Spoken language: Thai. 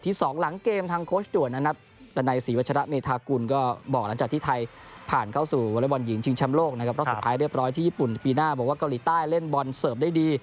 ที่ญี่ปุ่นปีหน้าบอกว่าเกาหลีใต้เล่นบอลเสิร์ฟได้ดี